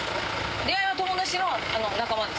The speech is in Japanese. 出会いは友達の仲間です。